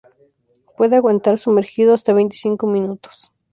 Puede aguantar sumergido hasta veinticinco minutos.